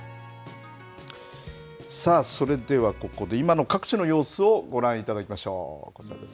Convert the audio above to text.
さあ、それではここで今の各地の様子をご覧いただきましょう。